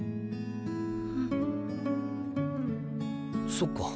そっか。